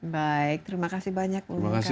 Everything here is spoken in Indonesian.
baik terima kasih banyak